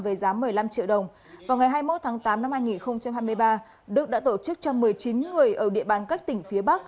với giá một mươi năm triệu đồng vào ngày hai mươi một tháng tám năm hai nghìn hai mươi ba đức đã tổ chức cho một mươi chín người ở địa bàn các tỉnh phía bắc